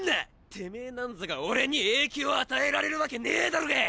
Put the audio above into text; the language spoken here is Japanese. てめなんぞが俺に影響与えられるワケねぇだろが！